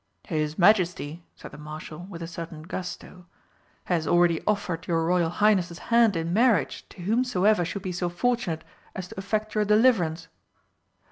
"His Majesty," said the Marshal, with a certain gusto, "has already offered your Royal Highness's hand in marriage to whomsoever should be so fortunate as to effect your deliverance."